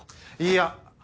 いいや。